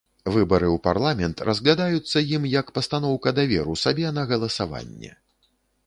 Выбары ў парламент разглядаюцца ім як пастаноўка даверу сабе на галасаванне.